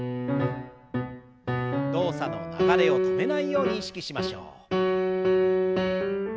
動作の流れを止めないように意識しましょう。